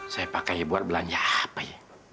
saya pakai buat belanja apa ya